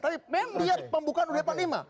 tapi memang lihat pembukaan ud pan lima